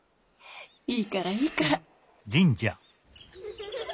いいからいいから。